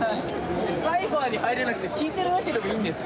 サイファーに入れなくて聴いてるだけでもいいんですか？